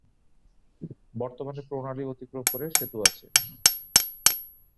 বর্তমানে প্রণালী অতিক্রম করে সেতু আছে।